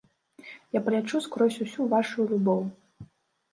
Я палячу скрозь усю вашую любоў.